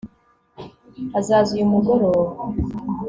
azaza uyu mugoroba